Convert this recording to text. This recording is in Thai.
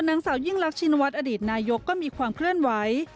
นางสาวยิ่งรักชินวัฒน์อดีตนายกก็มีความเคลื่อนไหว